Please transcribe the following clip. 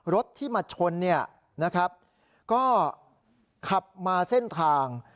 รถที่มาชนเนี่ยนะครับก็ขับมาเส้นทาง